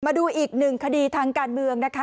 มาดูอีกหนึ่งคดีทางการเมืองนะคะ